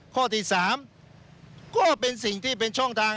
ข้อที่๓ก็เป็นสิ่งที่เป็นช่องทาง